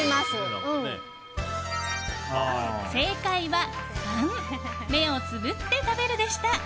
正解は３、目をつぶって食べるでした。